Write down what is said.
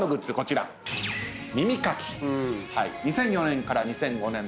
２００４年から２００５年